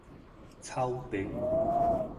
草地